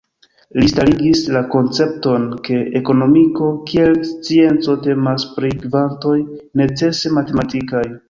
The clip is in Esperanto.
Li starigis la koncepton ke ekonomiko kiel scienco temas pri kvantoj necese matematikaj.